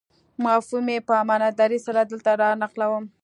مفهوم یې په امانتدارۍ سره دلته رانقلوم.